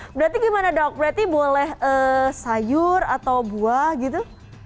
berarti gimana dok berarti boleh sayur atau buah gitu